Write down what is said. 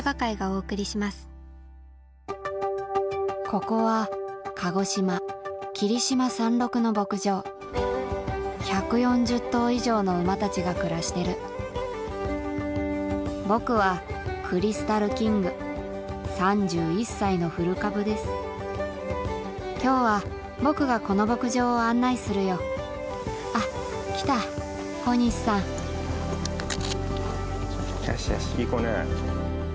ここは鹿児島霧島山麓の牧場１４０頭以上の馬たちが暮らしてる僕はの古株です今日は僕がこの牧場を案内するよあっ来た小西さんよしよしいい子ね。